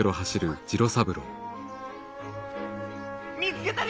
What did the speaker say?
見つけたり！